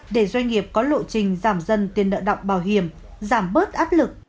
để doanh nghiệp có lộ trình giảm dần tiền nợ động bảo hiểm giảm bớt áp lực